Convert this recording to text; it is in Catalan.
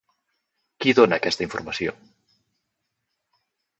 Qui dona aquesta informació?